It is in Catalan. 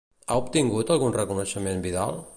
Ha obtingut algun reconeixement Vidal?